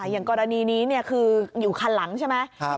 อย่างกรณีนี้คืออยู่คันหลังใช่ไหม